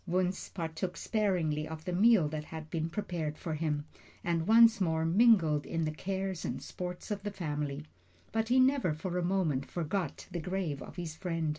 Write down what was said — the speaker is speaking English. Wunzh partook sparingly of the meal that had been prepared for him, and once more mingled in the cares and sports of the family. But he never for a moment forgot the grave of his friend.